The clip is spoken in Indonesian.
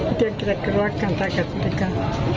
itu yang kita keluarkan zakat dan sedekah